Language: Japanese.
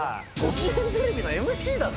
きげんテレビのＭＣだぞ。